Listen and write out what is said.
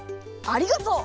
「ありがとう！」。